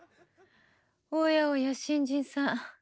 ・おやおや新人さん